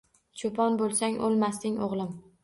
Cho’pon bo’lsang o’lmasding, o’g’lim